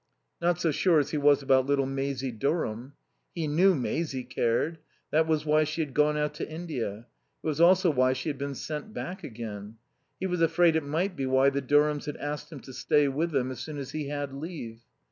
Not so sure as he was about little Maisie Durham. He knew Maisie cared. That was why she had gone out to India. It was also why she had been sent back again. He was afraid it might be why the Durhams had asked him to stay with them as soon as he had leave.